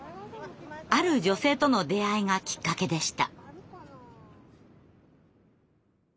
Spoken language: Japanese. ある女性との出会いがきっかけでした。